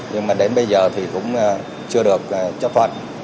nhưng mà đến bây giờ thì cũng chưa được chấp thuận